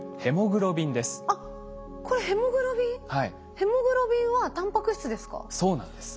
ヘモグロビンはタンパク質ですか？